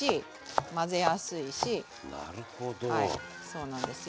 そうなんですよ。